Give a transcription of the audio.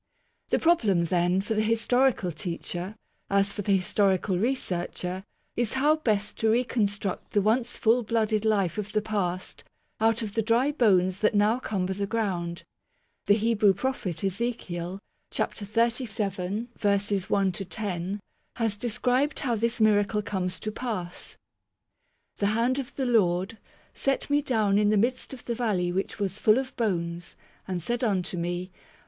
The problem then, for the historical teacher, as for the historical researcher, is how best to reconstruct the once full blooded life of the past out of the dry bones that now cumber the ground. The Hebrew Prophet, Ezekiel (ch. xxxvii., verses i to 10) has described how this miracle comes to pass :" The hand of the Lord ... set me down in the midst of the valley which was full of bones, and said unto me.